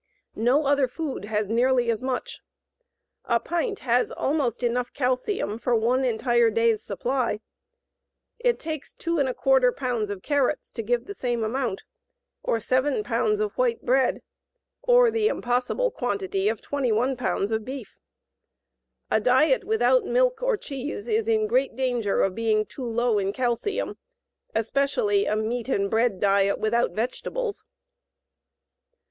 No other food has nearly as much. A pint has almost enough calcium for one entire day's supply. It takes 2¼ pounds of carrots to give the same amount, or 7 pounds of white bread or the impossible quantity of 21 pounds of beef! A diet without milk (or cheese) is in great danger of being too low in calcium, especially a meat and bread diet without vegetables.